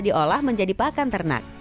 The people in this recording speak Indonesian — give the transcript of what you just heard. tidak hanya diolah menjadi pakan ternak